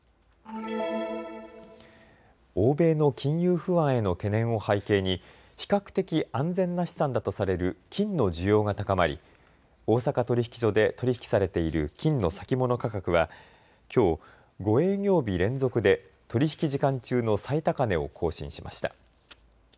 欧米の金融不安への懸念を背景に比較的安全な資産だとされる金の需要が高まり大阪取引所で取り引きされている金の先物価格は、きょう５営業日連続で取り引き時間中の最高値を更新しました。